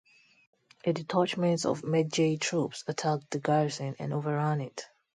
A detachment of Medjay troops attacked the garrison and overran it.